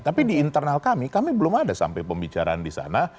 tapi di internal kami kami belum ada sampai pembicaraan di sana